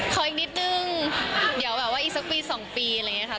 ขออีกนิดนึงเดี๋ยวแบบว่าอีกสักปี๒ปีอะไรอย่างนี้ค่ะ